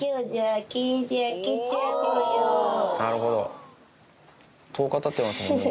なるほど１０日たってますもんね